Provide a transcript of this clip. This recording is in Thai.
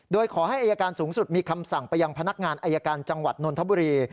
โดยขอให้อายการสูงสุดมีคำสั่งไปยังพนักงานอายการจังหวัดนนทบุรี